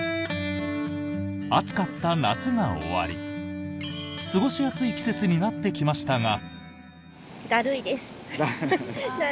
暑かった夏が終わり過ごしやすい季節になってきましたが。